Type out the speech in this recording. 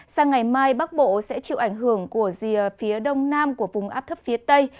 sang ngày mai bắc bộ sẽ chịu ảnh hưởng của rìa phía đông nam của vùng áp thấp phía tây